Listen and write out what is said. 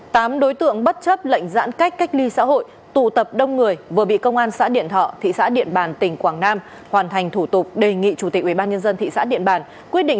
tám đối tượng bất chấp lệnh giãn cách cách ly xã hội tụ tập đông người vừa bị công an xã điện thọ thị xã điện bàn tỉnh quảng nam hoàn thành thủ tục đề nghị chủ tịch ubnd thị xã điện bàn quyết định